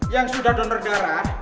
yang sudah donor darah